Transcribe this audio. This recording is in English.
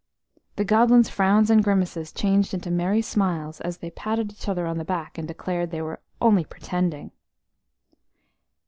The goblins' frowns and grimaces changed into merry smiles as they patted each other on the back and declared they were "only pretending."